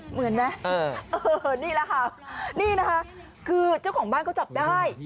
เหมือนไหมนี่แหละค่ะนี่นะคะคือเจ้าของบ้านเขาจับได้